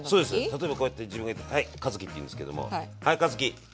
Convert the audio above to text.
例えばこうやって自分がいてはい和樹っていうんですけども「はい和樹料理して」。